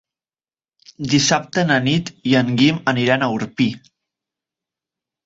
Dissabte na Nit i en Guim aniran a Orpí.